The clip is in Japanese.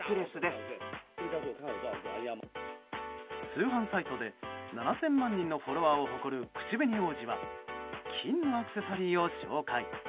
通販サイトで７０００万人のフォロワーを誇る口紅王子は金のアクセサリーを紹介。